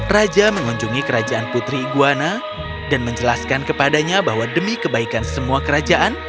raja mengunjungi kerajaan putri iguana dan menjelaskan kepadanya bahwa demi kebaikan semua kerajaan